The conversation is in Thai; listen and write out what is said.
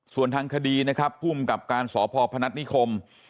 ส่วนทางคดีนะครับภูมิกับการสพพนัฐนิคม